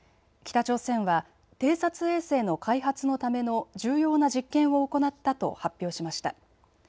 北朝鮮は偵察衛星の開発のための重要な実験を行ったと発表しました。